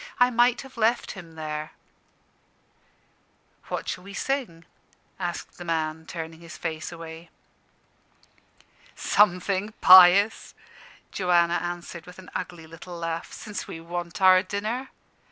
I might have left him there." "What shall we sing?" asked the man, turning his face away. "Something pious," Joanna answered with an ugly little laugh, "since we want our dinner.